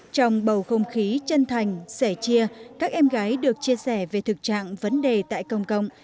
trong bầu không khí chân thành sẻ chia các em gái được chia sẻ về thực trạng vấn đề tại công cộng